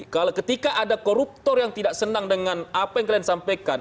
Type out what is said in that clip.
ketika ada koruptor yang tidak senang dengan apa yang kalian sampaikan